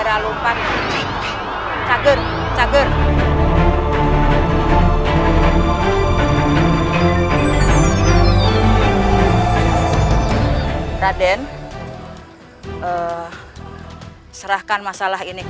tuhan yang terbaik